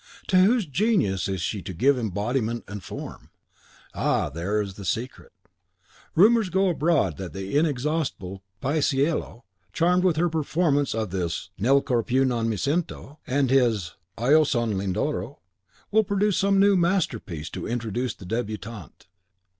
to whose genius is she to give embodiment and form? Ah, there is the secret! Rumours go abroad that the inexhaustible Paisiello, charmed with her performance of his "Nel cor piu non me sento," and his "Io son Lindoro," will produce some new masterpiece to introduce the debutante.